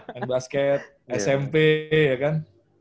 main basket smp ya kan